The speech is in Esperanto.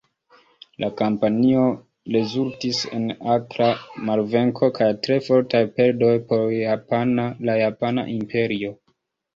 La kampanjo rezultis en akra malvenko kaj tre fortaj perdoj por la Japana Imperio.